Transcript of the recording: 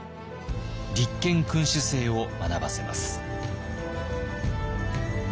立憲君主制を学ばせます。